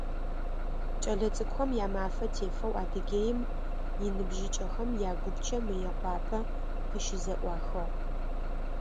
Кӏэлэцӏыкӏухэм я Мафэ тефэу Адыгеим иныбжьыкӏэхэм я Гупчэ Мыекъуапэ къыщызэӏуахыгъ.